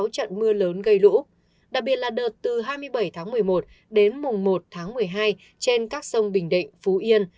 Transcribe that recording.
một trăm sáu mươi sáu trận mưa lớn gây lũ đặc biệt là đợt từ hai mươi bảy tháng một mươi một đến mùng một tháng một mươi hai trên các sông bình định phú yên